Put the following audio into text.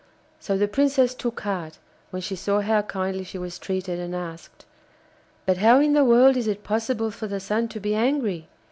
So the Princess took heart when she saw how kindly she was treated, and asked: 'But how in the world is it possible for the Sun to be angry?